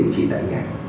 chỉ tại nhà